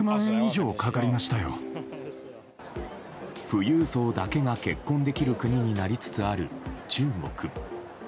富裕層だけが結婚できる国になりつつある中国。